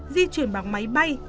di chuyển bằng máy bay